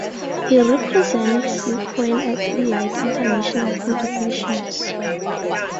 He represents Ukraine at elite international competitions.